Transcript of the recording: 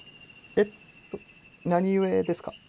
えっと何故ですか？